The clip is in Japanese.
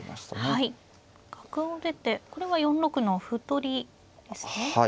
角を出てこれは４六の歩取りですねまずは。